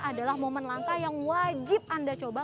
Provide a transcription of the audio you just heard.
adalah momen langka yang wajib anda coba